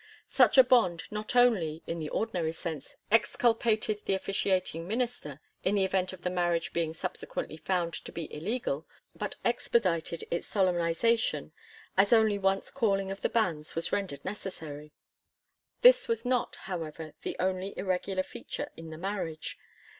Such a bond not only, in the ordinary course, exculpated the officiating minister, in the event of the marriage being subsequently found to be illegal, but expedited its solemnisation, as only once calling of the banns was renderd necessary. This was not, however, the only irregular feature in the marriage.